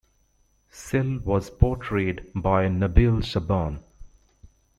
Sil was portrayed by Nabil Shaban.